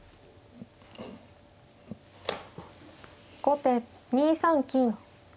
後手２三金。